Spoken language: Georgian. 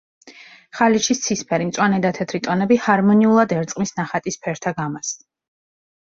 ხალიჩის ცისფერი, მწვანე და თეთრი ტონები ჰარმონიულად ერწყმის ნახატის ფერთა გამას.